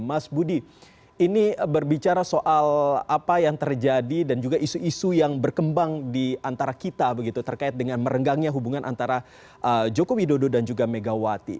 mas budi ini berbicara soal apa yang terjadi dan juga isu isu yang berkembang di antara kita begitu terkait dengan merenggangnya hubungan antara jokowi dodo dan juga megawati